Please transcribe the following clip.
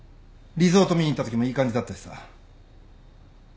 リゾート見に行ったときもいい感じだったしさ。